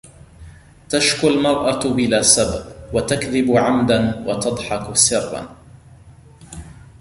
تشكو المرأة بلا سبب، وتكذب عمداً وتضحك سراً.